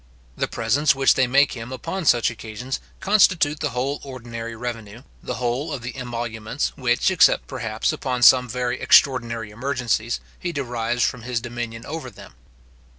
The presents which they make him upon such occasions constitute the whole ordinary revenue, the whole of the emoluments which, except, perhaps, upon some very extraordinary emergencies, he derives from his dominion over them.